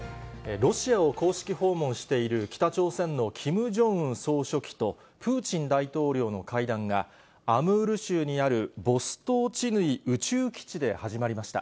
ロシアを公式訪問している北朝鮮のキム・ジョンウン総書記とプーチン大統領の会談が、アムール州にあるボストーチヌイ宇宙基地で始まりました。